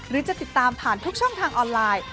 หรือจะติดตามผ่านทุกช่องทางออนไลน์